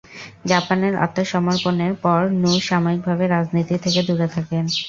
জাপানের আত্মসমর্পণের পর নু সাময়িকভাবে রাজনীতি থেকে দূরে থাকেন।